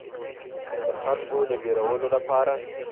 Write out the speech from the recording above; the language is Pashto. د خلکو د ویرولو لپاره.